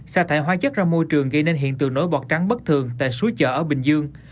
xả thải hoa chất ra môi trường gây nên hiện tượng nối bọt trắng bất thường tại suối chợ ở bình dương